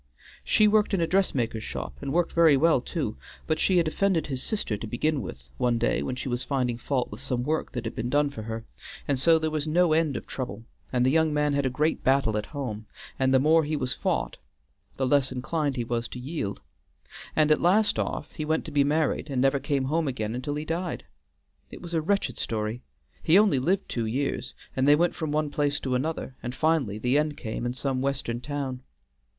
She worked in a dressmaker's shop, and worked very well too, but she had offended his sister to begin with, one day when she was finding fault with some work that had been done for her, and so there was no end of trouble, and the young man had a great battle at home, and the more he was fought the less inclined he was to yield, and at last off he went to be married, and never came home again until he died. It was a wretched story; he only lived two years, and they went from one place to another, and finally the end came in some Western town.